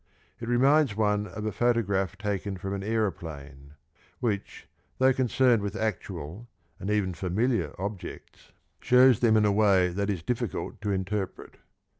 It reminds one of a photo graph taken from an aeroplane, which, though concerned with actual and even familiar objects, shows them in a way that is difficult to interpret.